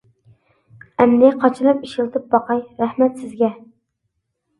ئەمدى قاچىلاپ ئىشلىتىپ باقاي، رەھمەت سىزگە.